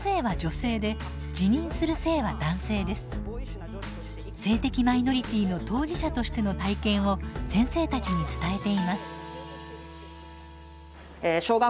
性的マイノリティーの当事者としての体験を先生たちに伝えています。